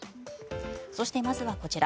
そして、まずはこちら。